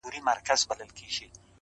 زړه ته د ښايست لمبه پوره راغلې نه ده،